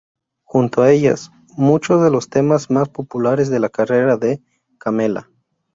Junto a ellas, muchos de los temas más populares de la carrera de Camela.